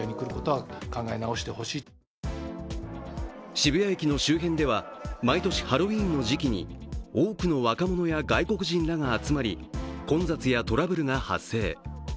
渋谷駅の周辺では、毎年ハロウィーンの時期に多くの若者や外国人らが集まり混雑やトラブルが発生。